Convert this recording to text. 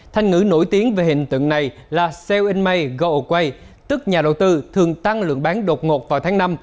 thanh ngữ nổi tiếng về hình tượng này là sale in may go away tức nhà đầu tư thường tăng lượng bán đột ngột vào tháng năm